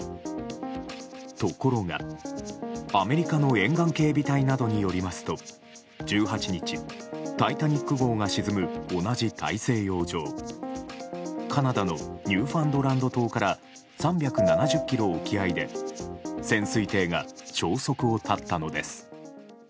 ところが、アメリカの沿岸警備隊などによりますと１８日「タイタニック号」が沈む、同じ大西洋上カナダのニューファンドランド島から３７０ｋｍ沖合で潜水艇が消息を絶ったのです。